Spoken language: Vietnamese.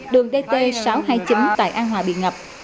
đường dt sáu trăm hai mươi chín tại an hòa bị ngập